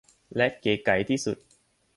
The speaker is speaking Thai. และเก๋ไก๋ที่สุด